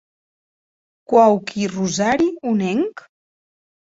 Quauqui rosari unenc?